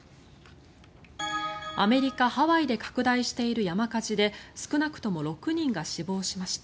アメリカ・ハワイで拡大している山火事で少なくとも６人が死亡しました。